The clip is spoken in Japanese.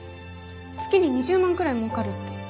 月に２０万くらい儲かるって。